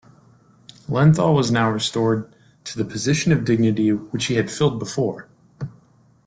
Lenthall was now restored to the position of dignity which he had filled before.